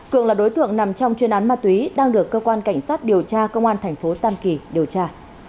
cường là đối tượng nằm trong chuyên án ma túy đang được cơ quan cảnh sát điều tra công an thành phố tam kỳ điều tra